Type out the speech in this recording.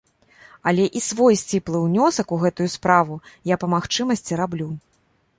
Але і свой сціплы ўнёсак у гэтую справу я па магчымасці раблю.